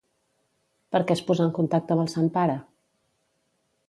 Per què es posà en contacte amb el sant pare?